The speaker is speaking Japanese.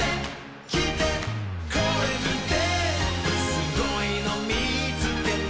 「すごいのみつけた」